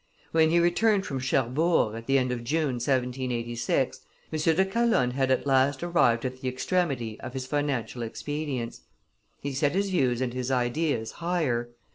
When he returned from Cherbourg, at the end of June, 1786, M. de Calonne had at last arrived at the extremity of his financial expedients. He set his views and his ideas higher.